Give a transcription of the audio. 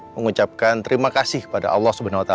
mengucapkan terima kasih kepada allah swt